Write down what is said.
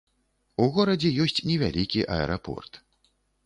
У горадзе ёсць невялікі аэрапорт.